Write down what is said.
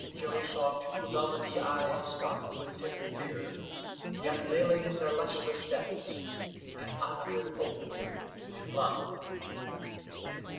Joe saw two velvety eyes dark with timid fear, yet veiling in their lustrous depths an unuttered hope and love.